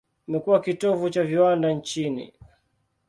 Imekuwa kitovu cha viwanda nchini.